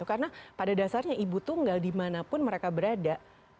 karena pada dasarnya ibu tunggal dimanapun mereka berada